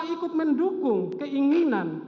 ikut mendukung keinginan